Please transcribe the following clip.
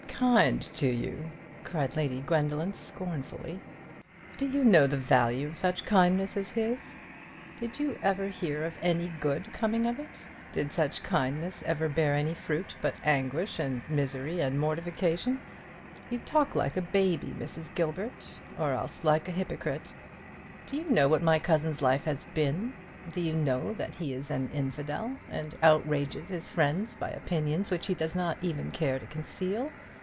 "Kind to you!" cried Lady Gwendoline, scornfully. "Do you know the value of such kindness as his? Did you ever hear of any good coming of it? Did such kindness ever bear any fruit but anguish and misery and mortification? You talk like a baby, Mrs. Gilbert, or else like a hypocrite. Do you know what my cousin's life has been? Do you know that he is an infidel, and outrages his friends by opinions which he does not even care to conceal?